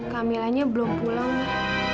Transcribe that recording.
kamilahnya belum pulang ma